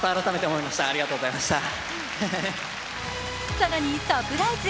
更にサプライズ。